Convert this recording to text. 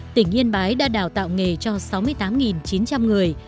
tỉnh yên bái đã đào tạo nghề cho sáu mươi tám chín trăm linh người